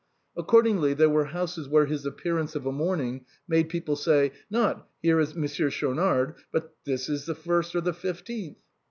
Accordingly, there were houses where his appearance of a morning made people say, not " Here is Monsieur Schau nard," but " This is the first or the fifteenth."